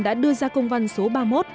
đã công văn số ba mươi một